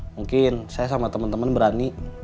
mungkin saya sama temen temen berani